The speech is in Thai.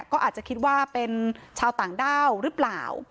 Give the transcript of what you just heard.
ก็อาจจะคิดว่าเป็นชาวต่างด้าวหรือเปล่า